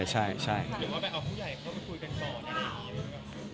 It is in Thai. หรือว่าไปเอาผู้ใหญ่เข้ามาคุยกันก่อนได้ไหมคะ